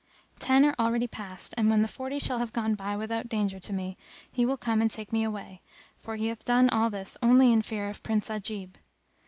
Ten are already past and, when the forty shall have gone by without danger to me, he will come and take me away; for he hath done all this only in fear of Prince Ajib.